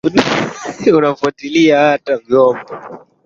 unafwatilia hata viombo vya habari hapa kenya